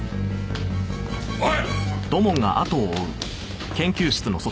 おい！